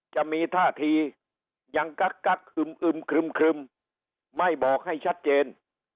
จะมีท่าทียังกักฮึมครึมไม่บอกให้ชัดเจน